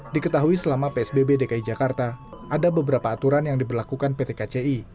diketahui selama psbb dki jakarta ada beberapa aturan yang diberlakukan pt kci